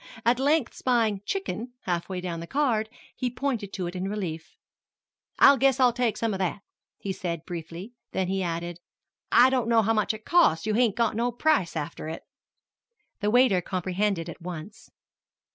At length spying "chicken" halfway down the card, he pointed to it in relief. "I guess I'll take some of that," he said, briefly; then he added, "I don't know how much it costs you hain't got no price after it." The waiter comprehended at once.